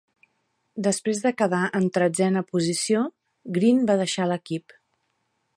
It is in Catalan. Després de quedar en tretzena posició, Green va deixar l'equip.